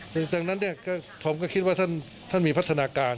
ดังนั้นผมก็คิดว่าท่านมีพัฒนาการ